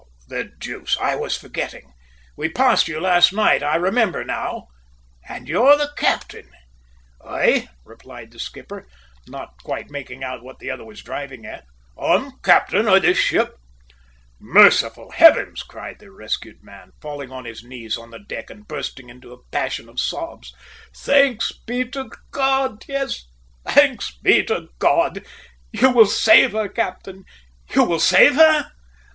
"The deuce! I was forgetting. We passed you last night, I remember now! and you're the captain?" "Aye!" replied the skipper, not quite making out what the other was driving at. "I'm captain of this ship!" "Merciful Heavens!" cried the rescued man, falling on his knees on the deck and bursting into a passion of sobs. "Thanks be to God! Yes, thanks be to God! You will save her, captain. You will save her?"